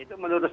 itu menurut saya